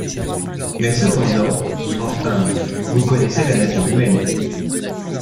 Mais, cependant. .. enfin, vous connaissez la nature humaine !